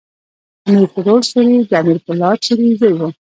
امیر کروړ سوري د امیر پولاد سوري زوی ؤ.